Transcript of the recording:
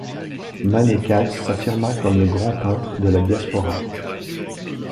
Mané-Katz s'affirma comme le grand peintre de la diaspora.